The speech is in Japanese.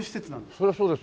そりゃそうですよね。